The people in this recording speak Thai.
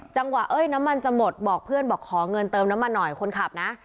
เอ้ยน้ำมันจะหมดบอกเพื่อนบอกขอเงินเติมน้ำมันหน่อยคนขับนะ